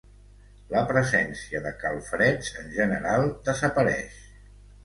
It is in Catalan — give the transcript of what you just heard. La presència de calfreds en general desapareix.